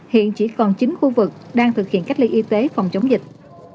hiện chỉ còn chín khu vực đang thực hiện cách ly y tế phòng chống dịch